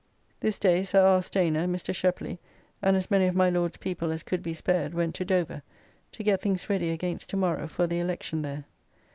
This day Sir R. Stayner, Mr. Sheply, and as many of my Lord's people as could be spared went to Dover to get things ready against to morrow for the election there.